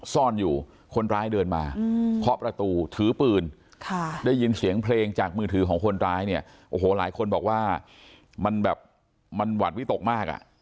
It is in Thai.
ซ่อนอยู่คนร้ายเดินมาเคาะประตูถือปืนได้ยินเสียงเพลงจากมือถือของคนร้ายเนี่ยโอ้โหหลายคนบอกว่ามันแบบมันหวัดวิตกมากอ่ะ